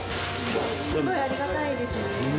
すごいありがたいですね。